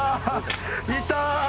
いた。